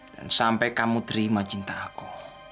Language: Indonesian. dan sampai kamu terima cinta aku